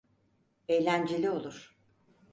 Eğlenceli olur.